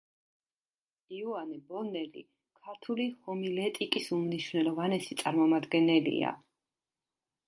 იოანე ბოლნელი ქართული ჰომილეტიკის უმნიშვნელოვანესი წარმომადგენელია.